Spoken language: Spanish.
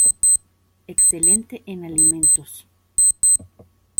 Excelente en alimentos.